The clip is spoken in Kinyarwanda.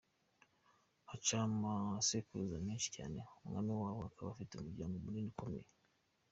Haca amasekuruza menshi cyane, umwami wabo akaba afite umuryango munini ukomeye.